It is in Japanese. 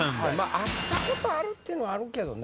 会ったことあるってのあるけどね。